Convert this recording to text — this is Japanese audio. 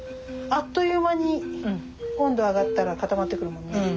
あっという間に温度上がったら固まってくるもんね。